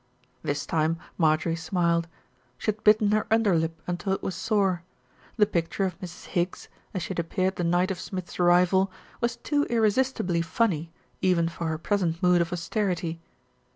This time Marjorie smiled. She had bitten her un derlip until it was sore. The picture of Mrs. HSggs, as she had appeared the night of Smith's arrival, was too irresistibly funny, even for her present mood of austerity.